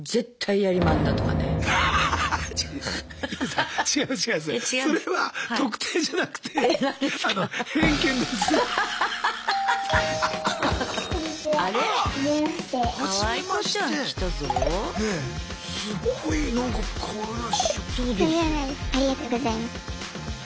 ありがとうございます。